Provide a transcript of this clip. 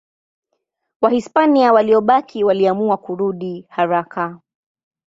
Wahispania waliobaki waliamua kurudi haraka.